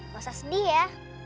bisa sedih ya